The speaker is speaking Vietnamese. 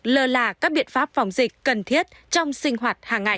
lơ là các biện pháp phòng dịch cần thiết trong sinh hoạt hàng ngày